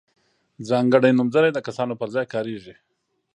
ځانګړي نومځري د کسانو پر ځای کاریږي.